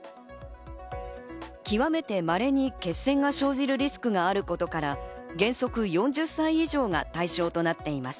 極めて稀に血栓が生じるリスクがあることから、原則４０歳以上が対象となっています。